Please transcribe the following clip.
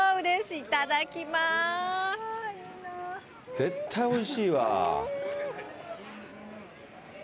絶対おいしいわ。